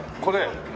これ？